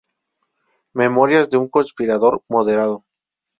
Memorias de un conspirador moderado".